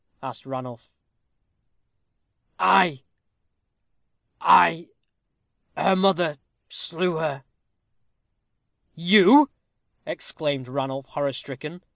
asked Ranulph. "I I her mother, slew her." "You!" exclaimed Ranulph, horror stricken.